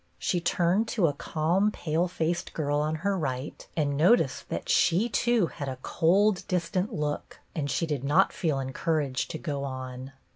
She turned to a calm, pale faced girl on her right and noticed that she too had a cold, distant look, and she did not feel encour aged to go on.